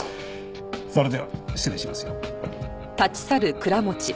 それでは失礼しますよ。